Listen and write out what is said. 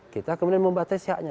kita kemudian membatasi haknya